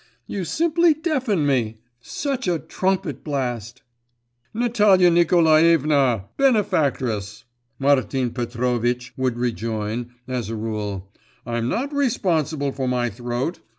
You simply deafen me. Such a trumpet blast!' 'Natalia Nikolaevna! benefactress!' Martin Petrovitch would rejoin, as a rule, 'I'm not responsible for my throat.